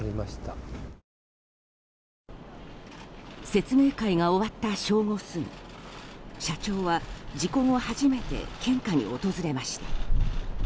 説明会が終わった正午過ぎ社長は、事故後初めて献花に訪れました。